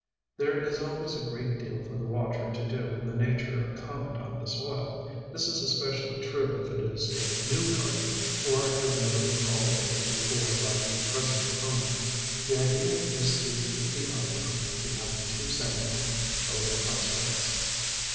There is always a great deal for the watcher to do in the nature of comment on the soil. This is especially true if it is a new garden or has never been cultivated before by the present owner. The idea is to keep the owner from becoming too sanguine over the prospects.